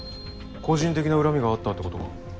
個人的な恨みがあったってことか？